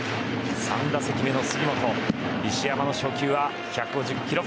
３打席目の杉本石山の初球は１５０キロ。